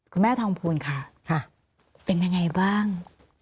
คุณแม่ทองภูลค่ะเป็นยังไงบ้าง